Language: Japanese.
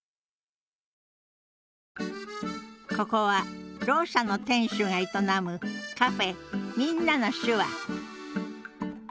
ここはろう者の店主が営むカフェ「みんなの手話」